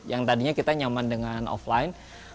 yang tadinya kita nyaman dengan offline